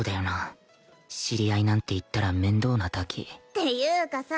知り合いなんて言ったら面倒なだけっていうかさ